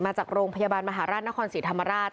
มาจากโรงพยาบาลมหาราชนครศรีธรรมราช